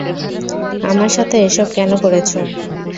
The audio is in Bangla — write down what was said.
আমার সাথে এসব কেন করেছ?